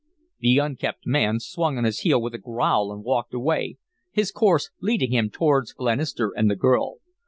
The unkempt man swung on his heel with a growl and walked away, his course leading him towards Glenister and the girl.